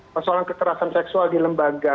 persoalan kekerasan seksual di lembaga